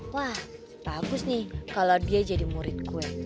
wah bagus nih kalau dia jadi murid kue